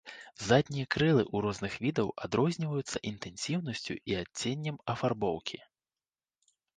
Заднія крылы ў розных відаў адрозніваюцца інтэнсіўнасцю і адценнем афарбоўкі.